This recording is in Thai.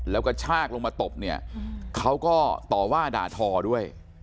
แล้วก็ชากลงมาตบเนี่ยเขาก็ต่อว่าด่าทอด้วย